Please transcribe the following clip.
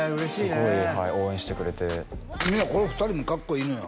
すごいはい応援してくれてこの２人もかっこいいのよ